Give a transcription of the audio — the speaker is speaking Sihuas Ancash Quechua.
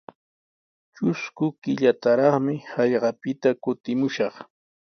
Trusku killataraqmi hallqapita kutimushaq.